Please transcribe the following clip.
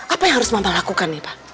apa yang harus mama lakukan nih pa